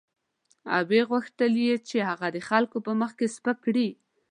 او وغوښتل یې چې هغه د خلکو په مخ کې سپک کړي.